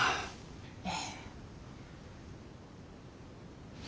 ええ。